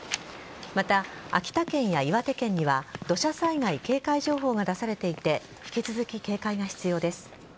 また、秋田県や岩手県には土砂災害警戒情報が出されていて引き続き警戒が必要です。